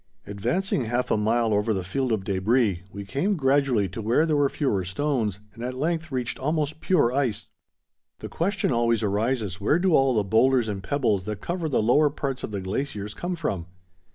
Advancing half a mile over the field of debris, we came gradually to where there were fewer stones, and at length reached almost pure ice. The question always arises where do all the boulders and pebbles that cover the lower parts of the glaciers come from?